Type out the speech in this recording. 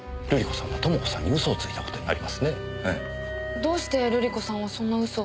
どうして瑠璃子さんはそんな嘘を？